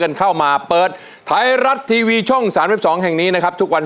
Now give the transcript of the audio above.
นักสู้ชิงล้าน